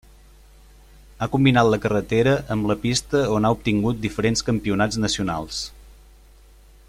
Ha combinat la carretera amb la pista on ha obtingut diferents campionats nacionals.